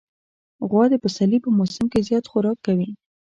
غوا د پسرلي په موسم کې زیات خوراک کوي.